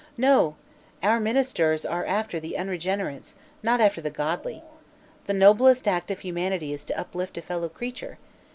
"No. Our ministers are after the unregenerates, not after the godly. The noblest act of humanity is to uplift a fellow creature.